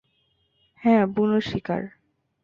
হ্যাঁ, বুনো শিকার।